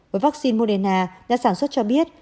với vaccine moderna nhà sản xuất cho biết